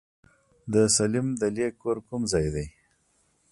د سليم دلې کور کوم ځای دی؟